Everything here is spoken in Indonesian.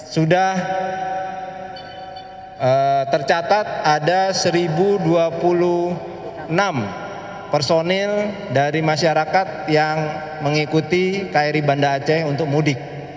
sudah tercatat ada satu dua puluh enam personil dari masyarakat yang mengikuti kri banda aceh untuk mudik